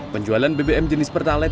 penjualan bbm jenis pertalet